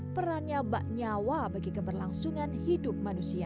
perannya bak nyawa bagi keberlangsungan hidup manusia